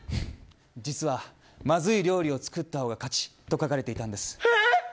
実は、まずい料理を作った方が勝ちと書かれていたんです。